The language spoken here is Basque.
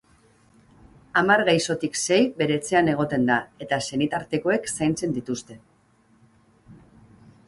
Hamar gaixotik sei bere etxean egoten da, eta senitartekoek zaintzen dituzte.